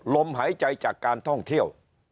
ลมหายใจจากการท่องเที่ยว